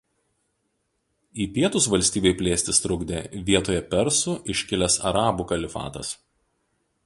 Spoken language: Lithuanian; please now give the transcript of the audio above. Į pietus valstybei plėstis trukdė vietoje persų iškilęs Arabų kalifatas.